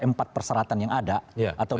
empat perseratan yang ada atau